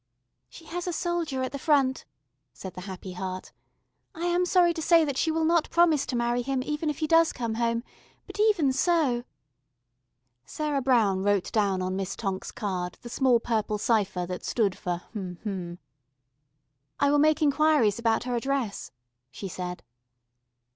"She has a soldier at the Front," said the Happy Heart. "I am sorry to say that she will not promise to marry him, even if he does come home. But even so " Sarah Brown wrote down on Miss Tonk's card the small purple cipher that stood for hm hm. "I will make enquiries about her address," she said.